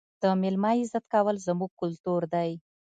د مېلمه عزت کول زموږ کلتور دی.